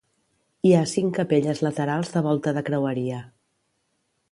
Hi ha cinc capelles laterals de volta de creueria.